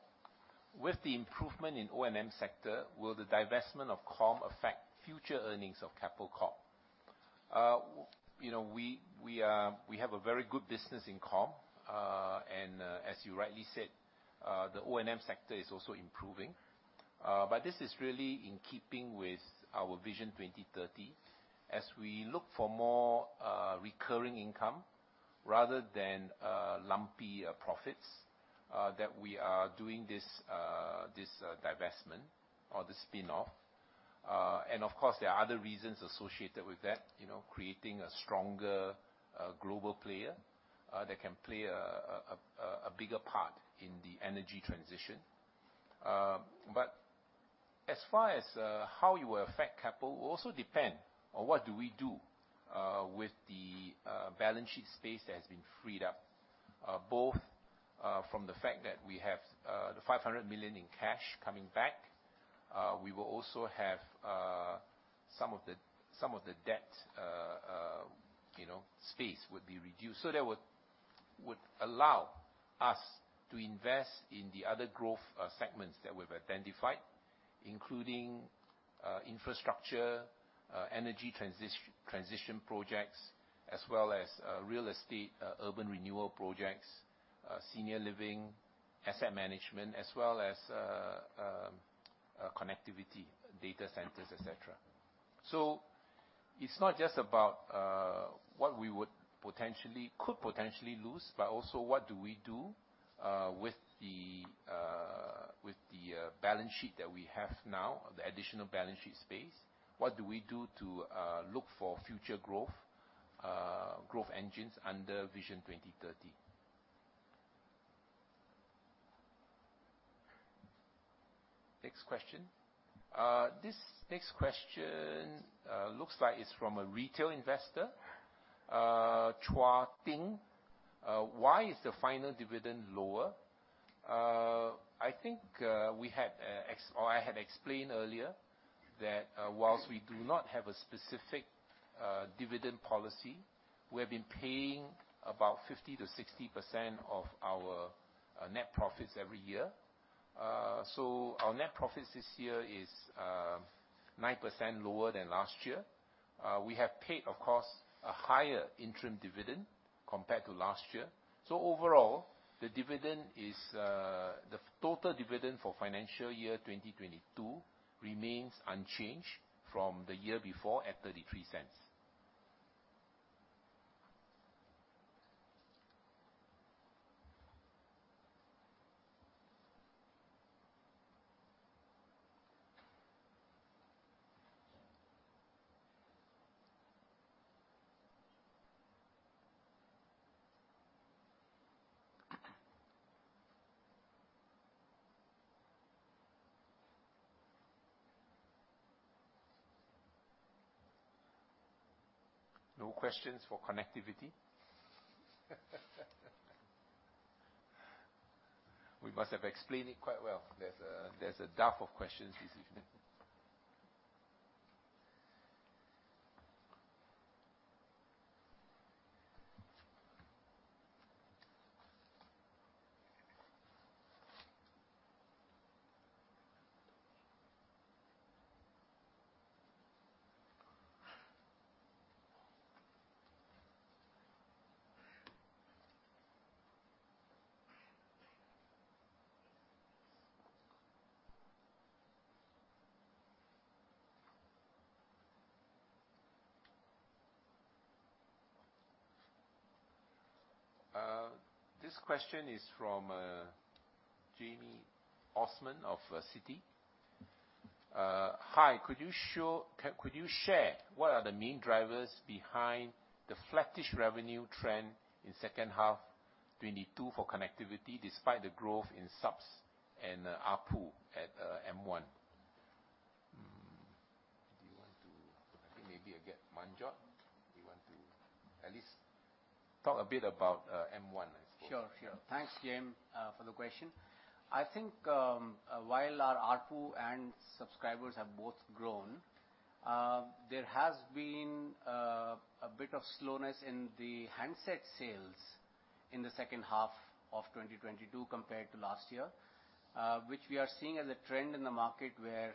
With the improvement in O&M sector, will the divestment of KOM affect future earnings of Keppel Corp? You know, we have a very good business in KOM. As you rightly said, the O&M sector is also improving. This is really in keeping with our Vision 2030, as we look for more recurring income rather than lumpy profits that we are doing this divestment or the spinoff. Of course, there are other reasons associated with that, you know, creating a stronger global player that can play a bigger part in the energy transition. As far as how you affect Keppel will also depend on what do we do with the balance sheet space that has been freed up, both from the fact that we have the 500 million in cash coming back. We will also have some of the debt, you know, space would be reduced. That would allow us to invest in the other growth segments that we've identified, including infrastructure, energy transition projects, as well as real estate, urban renewal projects, senior living, asset management, as well as connectivity data centers, et cetera. It's not just about what we would potentially, could potentially lose, but also what do we do with the balance sheet that we have now, the additional balance sheet space? What do we do to look for future growth engines under Vision 2030? Next question. This next question looks like it's from a retail investor, Chua Ting. Why is the final dividend lower? I think I had explained earlier that whilst we do not have a specific dividend policy, we have been paying about 50%-60% of our net profits every year. Our net profits this year is 9% lower than last year. We have paid, of course, a higher interim dividend compared to last year. Overall, the dividend is the total dividend for financial year 2022 remains unchanged from the year before at 0.33. No questions for connectivity? We must have explained it quite well. There's a dearth of questions this evening. This question is from James Osman of Citi. Hi, could you share what are the main drivers behind the flattish revenue trend in second half 2022 for connectivity, despite the growth in subs and ARPU at M1? I think maybe I get Manjot. Do you want to at least talk a bit about M1, I suppose? Sure, sure. Thanks, Jamie, for the question. I think, while our ARPU and subscribers have both grown, there has been a bit of slowness in the handset sales in the second half of 2022 compared to last year, which we are seeing as a trend in the market, where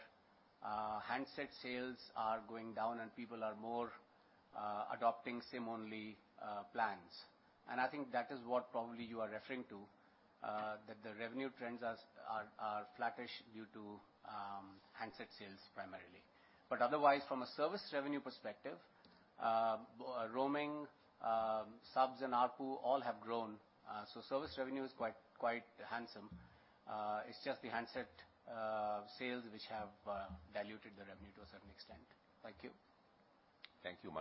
handset sales are going down and people are more adopting SIM-only plans. I think that is what probably you are referring to, that the revenue trends are flattish due to handset sales primarily. Otherwise, from a service revenue perspective, roaming, subs, and ARPU all have grown. Service revenue is quite handsome. It's just the handset sales which have diluted the revenue to a certain extent. Thank you. Thank you,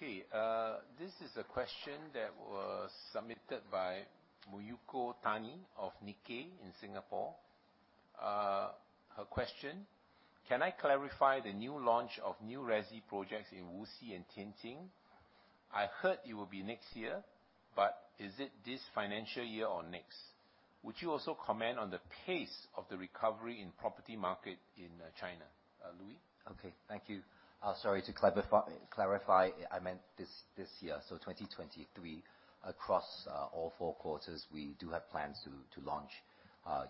Man. Last question. This is a question that was submitted by Miyako Tani of Nikkei in Singapore. Her question: Can I clarify the new launch of new resi projects in Wuxi and Tianjin? I heard it will be next year, but is it this financial year or next? Would you also comment on the pace of the recovery in property market in China? Louis Lim? Okay, thank you. Sorry, to clarify, I meant this year, so 2023. Across all 4 quarters, we do have plans to launch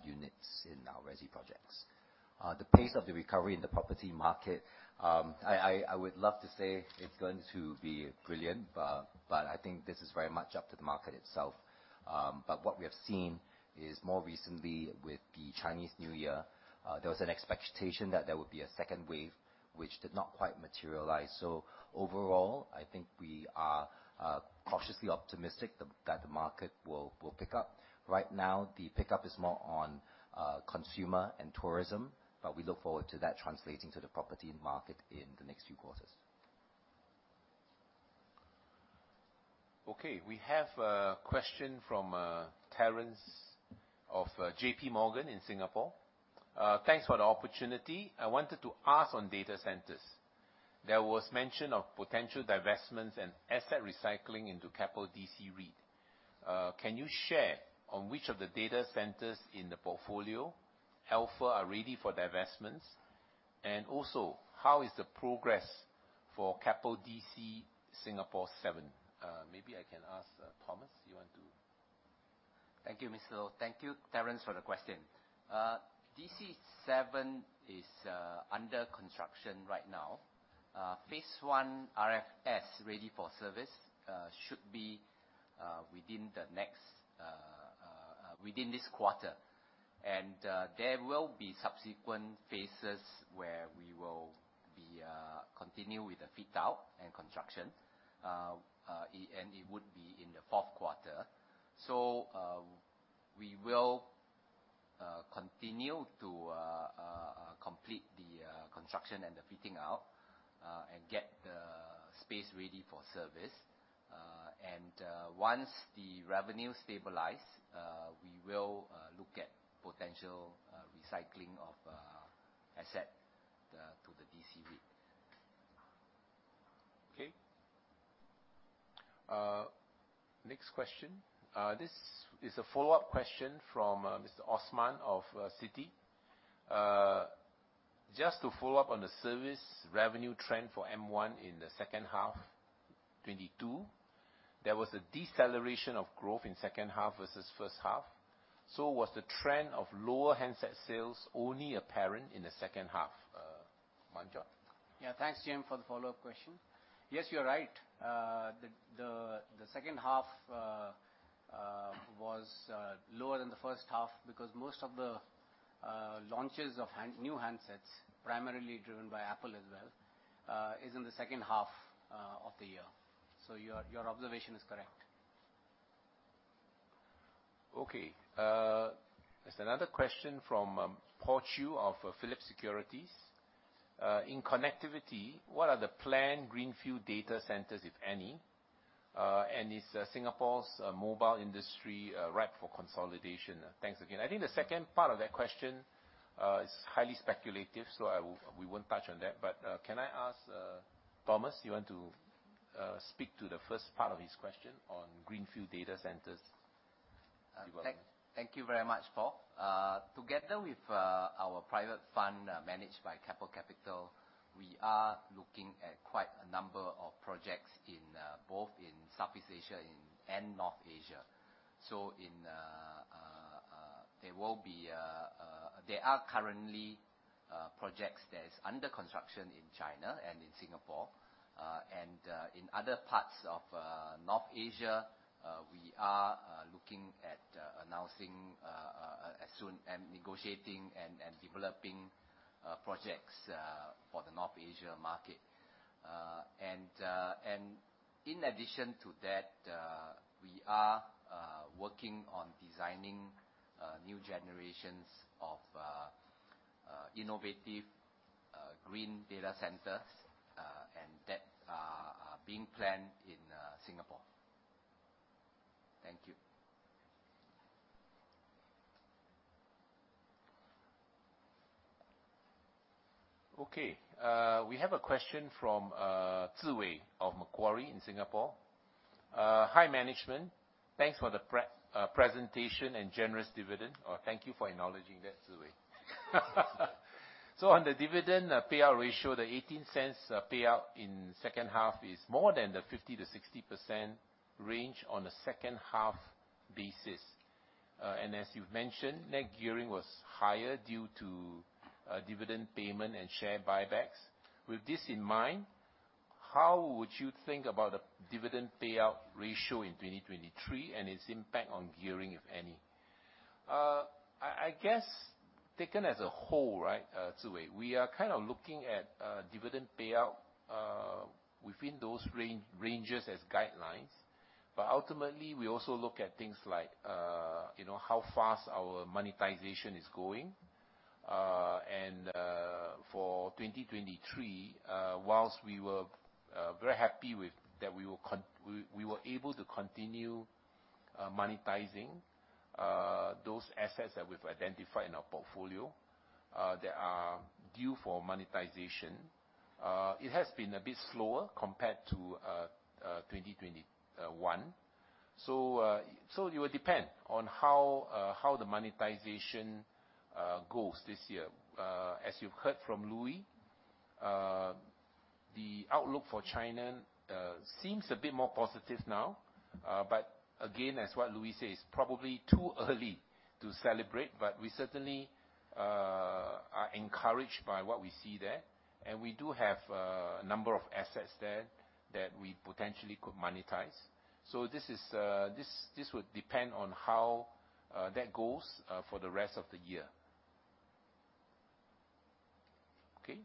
units in our resi projects. The pace of the recovery in the property market, I would love to say it's going to be brilliant, but I think this is very much up to the market itself. What we have seen is more recently with the Chinese New Year, there was an expectation that there would be a second wave, which did not quite materialize. Overall, I think we are cautiously optimistic that the market will pick up. Right now, the pickup is more on consumer and tourism, but we look forward to that translating to the property and market in the next few quarters. We have a question from Terence of JPMorgan in Singapore. Thanks for the opportunity. I wanted to ask on data centers. There was mention of potential divestments and asset recycling into Keppel DC REIT. Can you share on which of the data centers in the portfolio, Alpha, are ready for divestments? How is the progress for Keppel DC Singapore 7? Maybe I can ask Thomas, you want to? Thank you, Mr. Loh. Thank you, Terence, for the question. DC Seven is under construction right now. Phase 1 RFS, ready for service, should be within this quarter. There will be subsequent phases where we will be continue with the fit-out and construction. It would be in the fourth quarter. We will continue to complete the construction and the fitting out and get the space ready for service. Once the revenue stabilize, we will look at potential recycling of asset the to the DC REIT. Next question. This is a follow-up question from Mr. Osman of Citi. Just to follow up on the service revenue trend for M1 in the second half 2022. There was a deceleration of growth in second half versus first half. Was the trend of lower handset sales only apparent in the second half? Manjot? Yeah, thanks, Jamie, for the follow-up question. Yes, you're right. The second half was lower than the first half because most of the launches of new handsets, primarily driven by Apple as well, is in the second half of the year. Your observation is correct. There's another question from Paul Yong of Phillip Securities. In connectivity, what are the planned greenfield data centers, if any? Is Singapore's mobile industry ripe for consolidation? Thanks again. I think the second part of that question is highly speculative, so I will, we won't touch on that. Can I ask Thomas, you want to speak to the first part of his question on greenfield data centers, development? Thank you very much, Paul. Together with our private fund managed by Keppel Capital, we are looking at quite a number of projects in both Southeast Asia and North Asia. There are currently projects that is under construction in China and in Singapore. In other parts of North Asia, we are looking at negotiating and developing projects for the North Asia market. In addition to that, we are working on designing new generations of innovative green data centers and that are being planned in Singapore. Thank you. Okay. We have a question from Ziwei of Macquarie in Singapore. "Hi, management. Thanks for the presentation and generous dividend." Thank you for acknowledging that, Ziwei. "On the dividend payout ratio, the 0.18 payout in second half is more than the 50%-60% range on a second half basis. As you've mentioned, net gearing was higher due to dividend payment and share buybacks. With this in mind, how would you think about the dividend payout ratio in 2023 and its impact on gearing, if any?" I guess taken as a whole, right, Ziwei, we are kind of looking at dividend payout within those range, ranges as guidelines. Ultimately, we also look at things like, you know, how fast our monetization is going. For 2023, whilst we were very happy with that we were able to continue monetizing those assets that we've identified in our portfolio that are due for monetization. It has been a bit slower compared to 2021. It will depend on how the monetization goes this year. As you've heard from Louie, the outlook for China seems a bit more positive now. But again, as what Louie said, it's probably too early to celebrate, but we certainly are encouraged by what we see there. We do have a number of assets there that we potentially could monetize. This is, this would depend on how that goes for the rest of the year. Okay?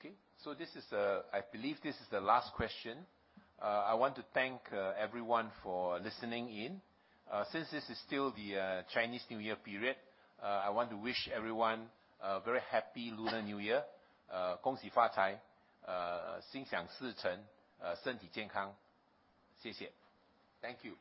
Okay. This is, I believe this is the last question. I want to thank everyone for listening in. Since this is still the Chinese New Year period, I want to wish everyone a very happy Lunar New Year. Thank you. Thank you.